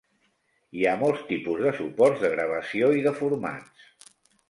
Hi ha molts tipus de suports de gravació i de formats.